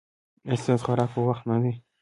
ایا ستاسو خوراک په وخت نه دی؟